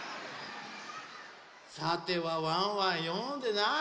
さてはワンワンよんでないな。